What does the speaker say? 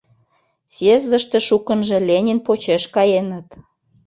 Съездыште шукынжо Ленин почеш каеныт.